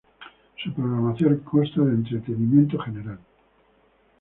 Su programación consta de entretenimiento general.